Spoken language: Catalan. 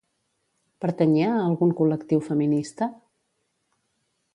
Pertanyia a algun col·lectiu feminista?